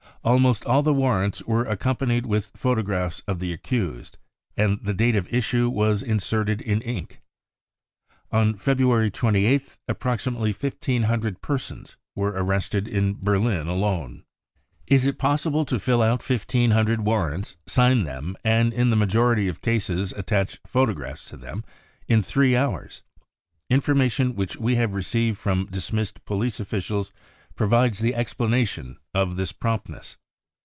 Almost all the warrants were accompanied with photo graphs of the accused, and the date of issue was inserted in ink. On February 28th approximately 1,500 persons were arrested in Berlin alone. Is it possible to fill out 1 ,500 warrants, sign them, and in the majority of cases attach photographs to them, in three hours ? Information which we have received from dismissed police officials provides the explanation of this promptness.